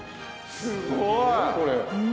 すごいこれ。